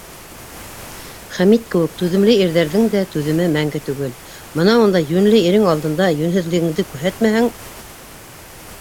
Хәмит кеүек түҙемле ирҙәрҙең дә түҙеме мәңге түгел, мынауындай йүнле ирең алдында йүнһеҙлегеңде күрһәтмәһәң.